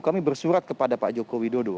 kami bersurat kepada pak joko widodo